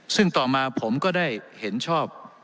ซึ่งต่อมาผมก็ได้เห็นชอบ